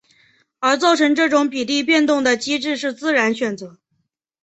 而造成这种比例变动的机制是自然选择。